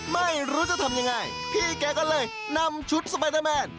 ไม่รู้จะทำยังไงพี่แกก็เลยนำชุดสไปเดอร์แมน